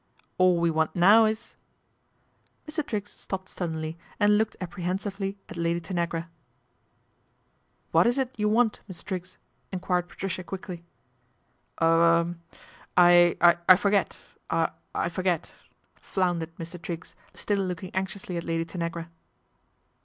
" All we want now is " Mr. Triggs stoppe< suddenly and looked apprehensively at Lad; Tanagra. " What is it you want, Mr. Triggs ?" enquirei Patricia quickly. " Er er I I forget, I I forget," flounders Mr. Triggs, still looking anxiously at Lad] Tanagra.